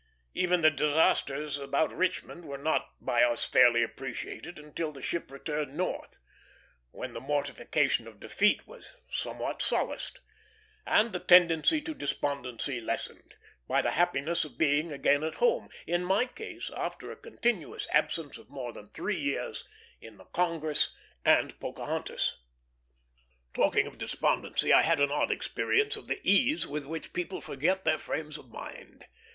Even the disasters about Richmond were not by us fairly appreciated until the ship returned North, when the mortification of defeat was somewhat solaced, and the tendency to despondency lessened, by the happiness of being again at home; in my case after a continuous absence of more than three years, in the Congress and Pocahontas. Talking of despondency, I had an odd experience of the ease with which people forget their frames of mind.